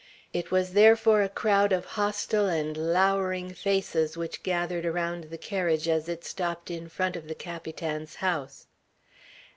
It was therefore a crowd of hostile and lowering faces which gathered around the carriage as it stopped in front of the Capitan's house.